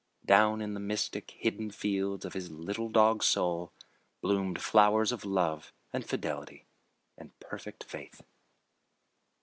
Down in the mystic, hidden fields of his little dog soul bloomed flowers of love and fidelity and perfect faith.